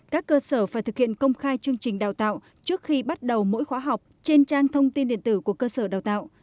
các cơ sở phải thực hiện công khai chương trình đào tạo trước khi bắt đầu mỗi khóa học trên trang thông tin điện tử của cơ sở đào tạo